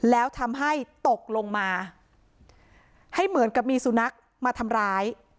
แล้วทำให้ตกลงมาให้เหมือนกับมีสุนัขมาทำร้าย